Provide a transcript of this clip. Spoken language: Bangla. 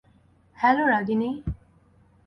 হ্যালো, রাগিনী।